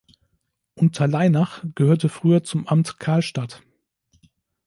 Unterleinach gehörte früher zum Amt Karlstadt.